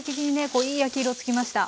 こういい焼き色つきました。